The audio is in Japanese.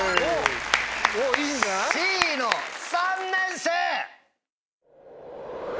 Ｃの３年生！